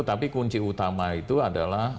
tapi kunci utama itu adalah